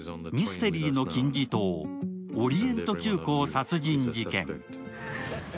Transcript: ミステリーの金字塔、「オリエント急行殺人事件」。